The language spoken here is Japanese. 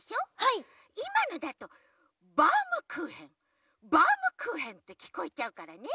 いまのだと「バウムクーヘンバウムクーヘン」ってきこえちゃうからね。